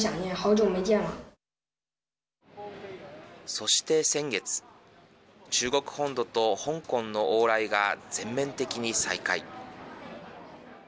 そして先月中国本土と香港の往来が全面的に再開。